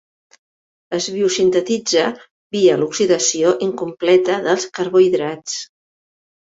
Es biosintetitza via l'oxidació incompleta dels carbohidrats.